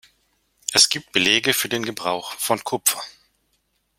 Es gibt Belege für den Gebrauch von Kupfer.